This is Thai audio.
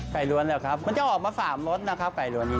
ล้วนแล้วครับมันจะออกมา๓รสนะครับไก่ล้วนนี้